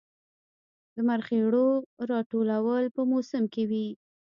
د مرخیړیو راټولول په موسم کې وي